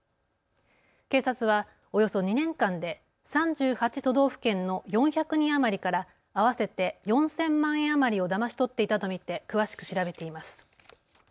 警察はおよそ２年間で３８都道府県の４００人余りから合わせて４０００万円余りをだまし取っていたと見て詳しく調べています。